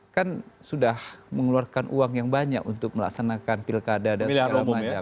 kan sudah mengeluarkan uang yang banyak untuk melaksanakan pilkada dan segala macam